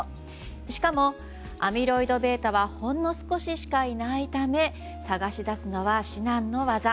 しかも、アミロイドβはほんの少ししかいないため探し出すのは至難の業。